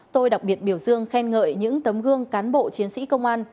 tôi đặc biệt biểu dương khen ngợi những tấm gương cán bộ chiến sĩ công an